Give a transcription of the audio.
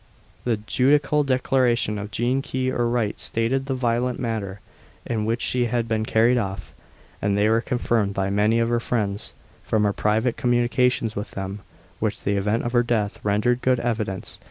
The judicial declarations of Jean Key, or Wright, stated the violent manner in which she had been carried off, and they were confirmed by many of her friends, from her private communications with them, which the event of her death rendered good evidence.